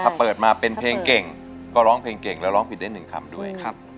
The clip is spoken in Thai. ถ้าเปิดมาเป็นเพลงเก่งก็ร้องเพลงเก่งแล้วร้องผิดได้๑คำด้วย